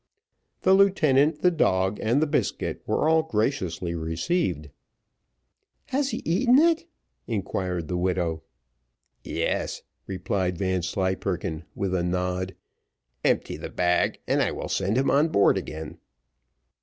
The lieutenant, the dog, and the biscuit were all graciously received. "Has he eaten it?" inquired the widow. "Yes," replied Vanslyperken, with a nod. "Empty the bag, and I will send him on board again."